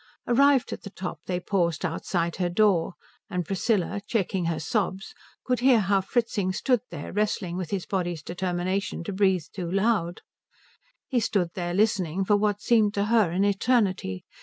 Arrived at the top they paused outside her door, and Priscilla, checking her sobs, could hear how Fritzing stood there wrestling with his body's determination to breathe too loud. He stood there listening for what seemed to her an eternity.